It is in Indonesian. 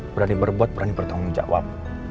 berani berbuat berani bertanggung jawab